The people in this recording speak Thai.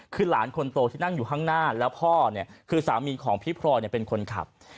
คือหลานคนโตที่นั่งอยู่ข้างหน้าแล้วพ่อเนี่ยคือสามีของพี่พลอยเป็นคนขับ